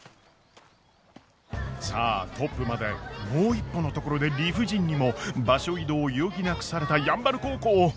さあトップまでもう一歩のところで理不尽にも場所移動を余儀なくされた山原高校。